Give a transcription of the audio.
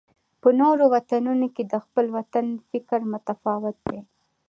په نورو وطنونو کې د خپل وطن فکر متفاوت دی.